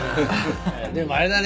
でもあれだね。